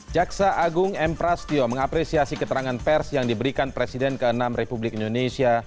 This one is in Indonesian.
jaksa agung m prastio mengapresiasi keterangan pers yang diberikan presiden ke enam republik indonesia